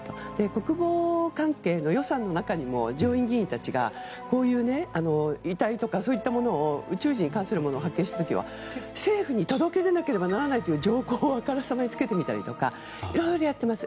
国防関係の予算の中にも上院議員たちがこういう遺体とかそういった宇宙人に関するものを発表した時は政府に届け出なければならないという条項をあからさまにつけてみたりとかいろいろやってます。